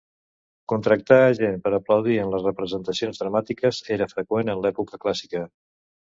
Contractar a gent per a aplaudir en les representacions dramàtiques era freqüent en l'època clàssica.